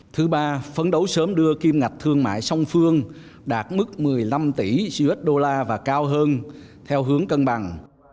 thứ ba phấn đấu sớm đưa kim ngạch thương mại song phương đạt mức một mươi năm tỷ usd và cao hơn theo hướng cân bằng